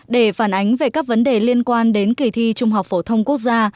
để phản ánh về các vấn đề liên quan đến kỳ thi trung học phổ thông quốc gia